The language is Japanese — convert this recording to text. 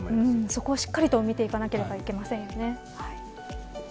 そこをしっかりと見ていかないといけませんよね。